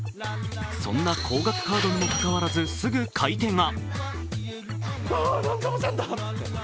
そんな高額カードにもかかわらずすぐ買い手が。